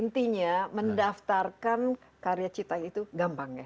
intinya mendaftarkan karya cita itu gampang ya